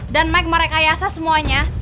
dan mike merekayasa semuanya